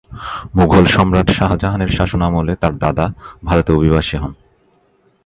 মুঘল সম্রাট শাহজাহানের শাসনামলে তার দাদা ভারতে অভিবাসী হন।